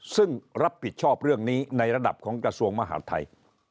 ซึ่งรับผิดชอบเรื่องนี้ในระดับของกระทรวงมหาดไทย